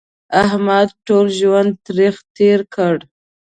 احمد ټول ژوند تریخ تېر کړ